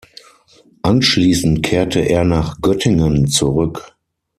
Anschließend kehrte er nach Göttingen zurück.